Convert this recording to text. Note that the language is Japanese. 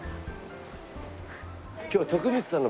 今日徳光さんの番組で。